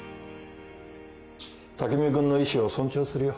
匠君の意思を尊重するよ。